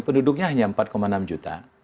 penduduknya hanya empat enam juta